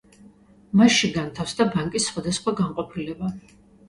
მასში განთავსდა ბანკის სხვადასხვა განყოფილება.